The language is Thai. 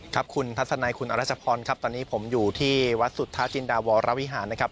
ครับคุณทัศนัยคุณอรัชพรครับตอนนี้ผมอยู่ที่วัดสุทธาจินดาวรวิหารนะครับ